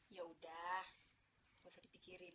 ya udah gak usah dipikirin